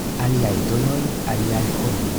Aliaj domoj, aliaj homoj.